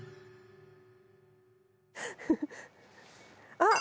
あっ！